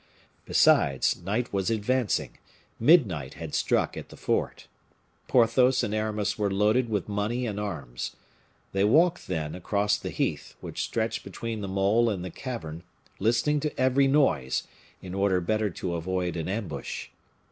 Besides, night was advancing; midnight had struck at the fort. Porthos and Aramis were loaded with money and arms. They walked, then, across the heath, which stretched between the mole and the cavern, listening to every noise, in order better to avoid an ambush.